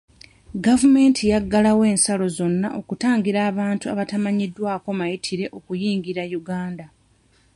Gavumenti yaggalawo ensalo zonna okutangira abantu abatamanyiddwako mayitire okuyingira Uganda.